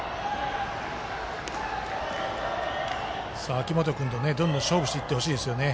秋元君と、どんどん勝負していってほしいですね。